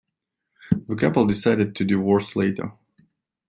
The couple decided to divorce later.